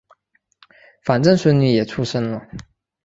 反正孙女也出生了